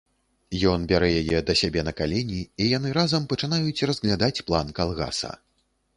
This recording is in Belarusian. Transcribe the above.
Ён бярэ яе да сябе на калені, і яны разам пачынаюць разглядаць план калгаса.